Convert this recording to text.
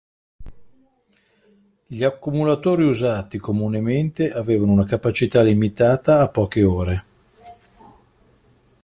Gli accumulatori usati comunemente avevano una capacità limitata a poche ore.